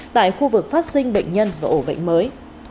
tại khu vực phát sinh bệnh nhân và ổ bệnh mới